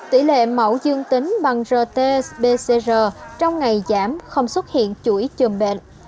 tỷ lệ mẫu dương tính bằng rt pcr trong ngày giảm không xuất hiện chuỗi chùm bệnh